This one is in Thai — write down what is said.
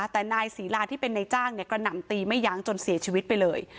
แต่นายศรีลาที่เป็นนายจ้างกระหน่ำตีไม่ยั้งจนเสียชีวิตไปเลย